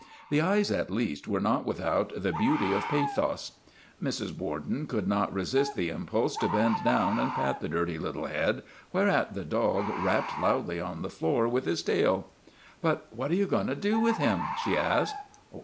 The eyes, at least, were not without the beauty of pathos. Mrs. Borden could not resist the impulse to bend down and pat the dirty little head, whereat the dog rapped loudly on the floor with his tail. " But what are you going to do with him? ' she asked.